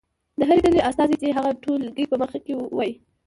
د هرې ډلې استازی دې هغه ټولګي په مخ کې ووایي.